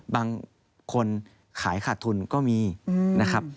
บางคนขายขาดทุนก็มีนะครับ